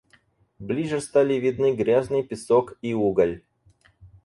Ближе стали видны грязный песок и уголь.